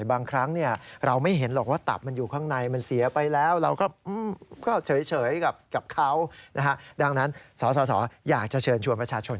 บางครั้งเนี่ยเราไม่เห็นหรอกว่าตัผมันอยู่ข้างในมันเสียไปแล้ว